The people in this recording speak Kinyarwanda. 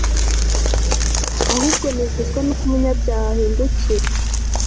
ahubwo nezezwa nuko umunyabyaha ahindukira